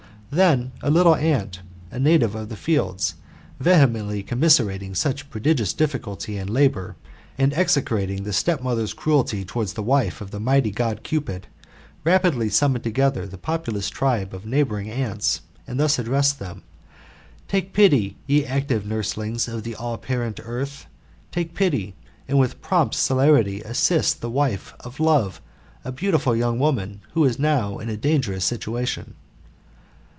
* Then a little ant, a native of the fields, vehemently commiserating such prodigious difficulty and labour, and execrating the step mother's cruelty towards the wife of the mighty God Cupid, rapidly summoned together the populous tribe of neighbouring ants, and thus addressed them :*' Take pity, ye active nurslings of the all parent earth ! Take pity, and GOLDEN AM, OF APULEItTS. — BOOR VI. 93 with prompt celerity assist the wife of Imt^ a beatf tifill yofi^ womany who is now in a dangerous sityation."